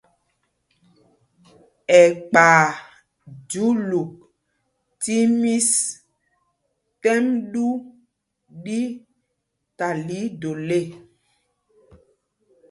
Ɛkpay júlûk tí mís t́ɛ́m ɗū ɗí ta lii dol ê.